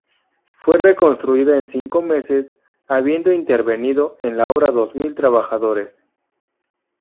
Fue reconstruida en cinco meses, habiendo intervenido en la obra dos mil trabajadores.